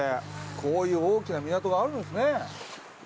こういう大きな港があるんすね。